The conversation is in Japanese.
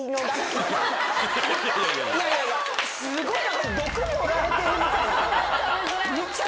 すごいな。